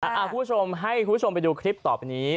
คุณผู้ชมให้คุณผู้ชมไปดูคลิปต่อไปนี้